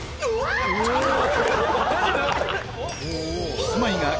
キスマイが早っ！